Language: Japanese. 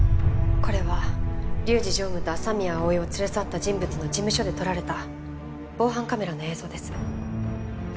これは龍二常務と麻宮葵を連れ去った人物の事務所で撮られた防犯カメラの映像です。